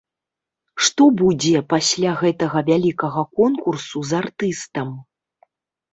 Што будзе пасля гэтага вялікага конкурсу з артыстам?